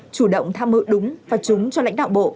chủ động tham mưu đúng và trúng cho lãnh đạo bộ